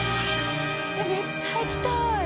えっめっちゃ行きたい！